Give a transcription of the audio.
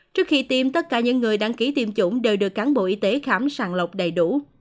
trước khi tiêm tất cả những người đăng ký tiêm chủng đều được cán bộ y tế khám sàng lọc đầy đủ